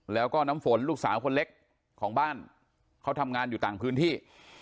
แล้วก็น้ำฝนลูกสาวคนเล็กของบ้านเขาทำงานอยู่ต่างพื้นที่